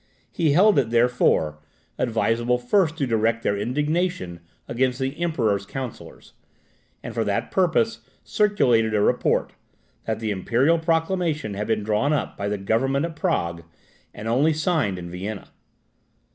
He held it, therefore, advisable first to direct their indignation against the Emperor's counsellors; and for that purpose circulated a report, that the imperial proclamation had been drawn up by the government at Prague, and only signed in Vienna.